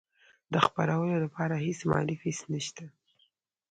د خپرولو لپاره هیڅ مالي فیس نشته.